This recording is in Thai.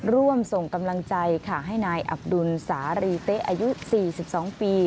ร่วมส่งกำลังใจค่ะให้นายอับดุลสารีเต๊ะอายุ๔๒ปี